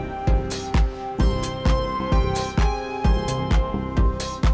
atyun selalu melihat suara ibadahnya